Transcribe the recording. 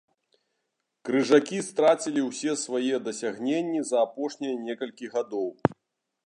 Крыжакі страцілі ўсе свае дасягненні за апошнія некалькі гадоў.